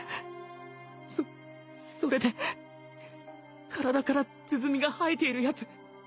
宗それで体から鼓が生えているヤツ